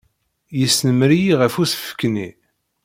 Yesnemmer-iyi ɣef usefk-nni.